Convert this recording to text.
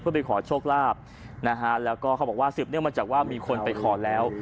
เพื่อไปขอโชคลาภนะฮะแล้วก็เขาบอกว่าสืบเนื่องมาจากว่ามีคนไปขอแล้ว